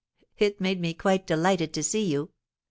It made me quite delighted to see you!